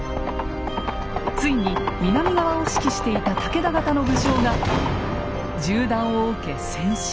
ついに南側を指揮していた武田方の武将が銃弾を受け戦死。